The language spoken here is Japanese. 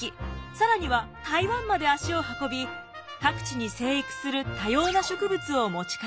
更には台湾まで足を運び各地に生育する多様な植物を持ち帰りました。